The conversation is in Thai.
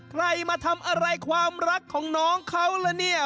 ใครมาทำอะไรความรักของน้องเขาละเนี่ย